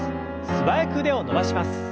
素早く腕を伸ばします。